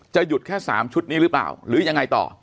หยุดแค่๓ชุดนี้หรือเปล่าหรือยังไงต่อ